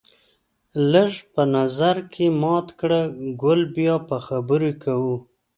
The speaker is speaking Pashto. لږ په نظر کې مات کړه ګل بیا به خبرې کوو